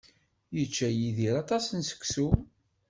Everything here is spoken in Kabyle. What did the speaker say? Yečča Yidir aṭas n seksu.